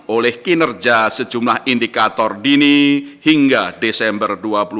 oleh kinerja sejumlah indikator dini hingga desember dua ribu dua puluh